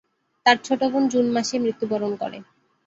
তার ছোট বোন জুন মাসে মৃত্যুবরণ করে।